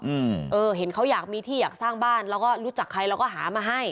อืมเออเห็นเขาอยากมีที่อยากสร้างบ้านเราก็รู้จักใครเราก็หามาให้